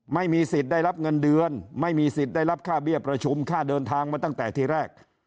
ไม่มีสิทธิ์ได้รับเงินเดือนไม่มีสิทธิ์ได้รับค่าเบี้ยประชุมค่าเดินทางมาตั้งแต่ทีแรก